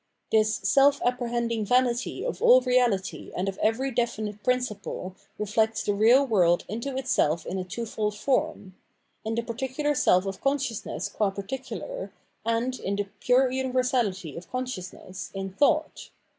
This self apprehendmg vanity of all reahty and of every 531 Culture and its Sphere of Reality definite principle reflects tlie real world into itself in a twofold form :— in the particular self of consciousness qua particular, and in tlie pure universality of con sciousness, in thought.